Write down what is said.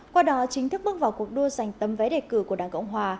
qua đó chính thức bước vào cuộc đua giành tấm vé đề cử của đảng cộng hòa